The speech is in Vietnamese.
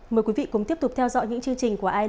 mời quý vị cũng tiếp tục theo dõi những chương trình của intv